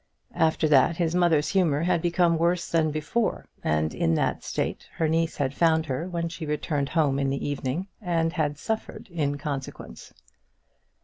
After that his mother's humour had become worse than before, and in that state her niece had found her when she returned home in the evening, and had suffered in consequence.